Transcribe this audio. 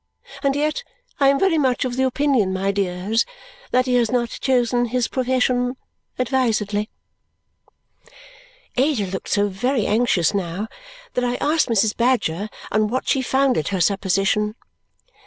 And yet I am very much of the opinion, my dears, that he has not chosen his profession advisedly." Ada looked so very anxious now that I asked Mrs. Badger on what she founded her supposition.